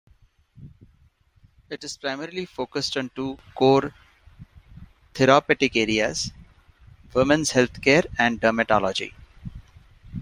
It is primarily focused on two core therapeutic areas: women's healthcare and dermatology.